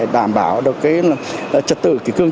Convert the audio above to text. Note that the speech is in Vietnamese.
đảm bảo được trật tự kỷ cương